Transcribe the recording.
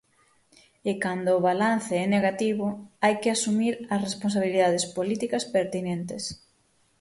E cando o balance é negativo, hai que asumir as responsabilidades políticas pertinentes.